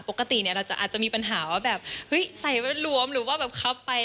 ปกติเราอาจจะมีปัญหาว่าใส่รวมหรือเข้าไป